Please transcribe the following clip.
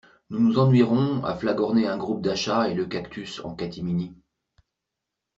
Nous nous ennuierons à flagorner un groupe d'achats et le cactus en catimini.